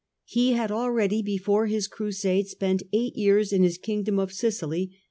He had already, before his Crusade, spent eight years in his Kingdom of Sicily.